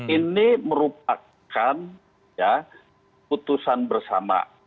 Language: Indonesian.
ini merupakan putusan bersama